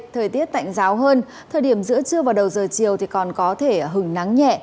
thời tiết tạnh giáo hơn thời điểm giữa trưa và đầu giờ chiều còn có thể hừng nắng nhẹ